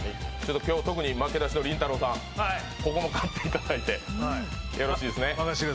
今日、特に負けなしのりんたろーさん、ここも勝っていただいてよろしいですね。